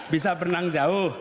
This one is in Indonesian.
bisa berenang jauh